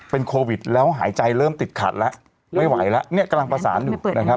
เป็นโควิดแล้วหายใจเริ่มติดขัดแล้วไม่ไหวแล้วเนี่ยกำลังประสานอยู่นะครับ